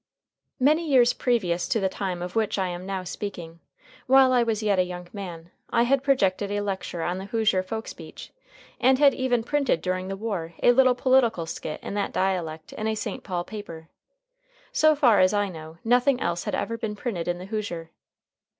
Many years previous to the time of which I am now speaking, while I was yet a young man, I had projected a lecture on the Hoosier folk speech, and had even printed during the war a little political skit in that dialect in a St. Paul paper. So far as I know, nothing else had ever been printed in the Hoosier.